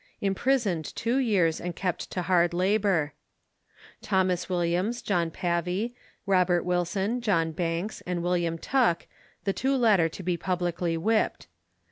Imprisoned two years, and kept to hard labour. Thomas Williams, John Pavey, Robert Wilson, John Bankes, and William Tuck, the two latter to be publicly whipped.